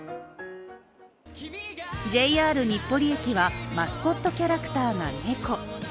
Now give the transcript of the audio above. ＪＲ日暮里駅は、マスコットキャラクターが猫。